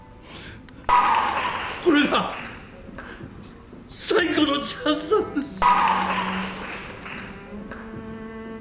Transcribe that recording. これが最後のチャンスなんです。